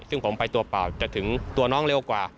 ซึ่งผมไปตัวเปล่าจะถึงตัวน้องเร็วกว่า